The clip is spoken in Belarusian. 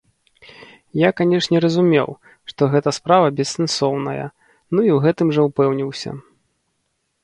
Я, канечне, разумеў, што гэта справа бессэнсоўная ну і ў гэтым жа упэўніўся.